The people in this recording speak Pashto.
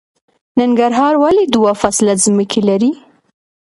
ننګرهار ولې دوه فصله ځمکې لري؟